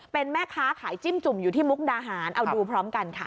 เป็นแม่ค้าขายจิ้มจุ่มอยู่ที่มุกดาหารเอาดูพร้อมกันค่ะ